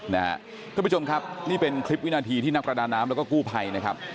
ท่านผู้ชมครับนี่เป็นคลิปวินาทีที่นักประดาน้ำแล้วก็กู้ภัยนะครับ